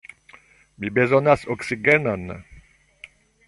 Mi bezonas oksigenon.